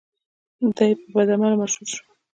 دی په بدعمله مشهور شو.